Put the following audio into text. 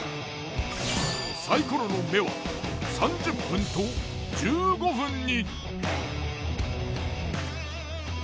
サイコロの目は３０分と１５分に。